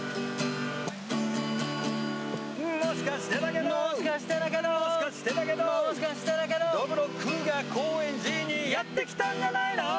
もしかしてだけどもしかしてだけどどぶろっくが高円寺にやってきたんじゃないの。